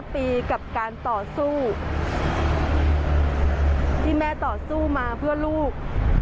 ปีกับการต่อสู้ที่แม่ต่อสู้มาเพื่อลูก